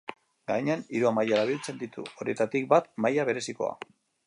Gainan hiru amaiera biltzen ditu, horietatik bat maila berezikoa.